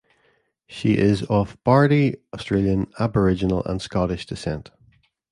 She is of Bardi Australian Aboriginal and Scottish descent.